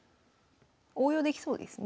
応用できそうですね。